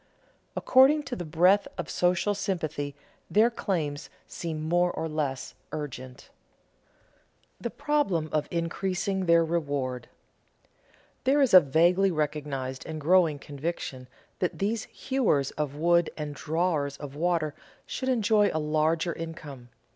According to the breadth of social sympathy their claims seem more or less urgent. [Sidenote: The problem of increasing their reward] There is a vaguely recognized and growing conviction that these hewers of wood and drawers of water should enjoy a larger income.